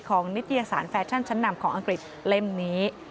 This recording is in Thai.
นิตยสารแฟชั่นชั้นนำของอังกฤษเล่มนี้